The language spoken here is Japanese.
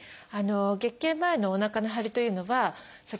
月経前のおなかの張りというのは先ほどありました